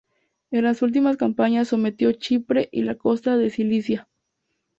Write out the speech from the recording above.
En las últimas campañas sometió Chipre y la costa de Cilicia.